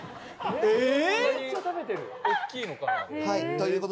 はい。